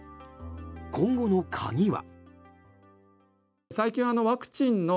今後の鍵は。